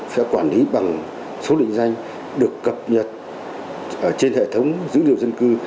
sẽ quản lý bằng số định danh được cập nhật trên hệ thống dữ liệu dân cư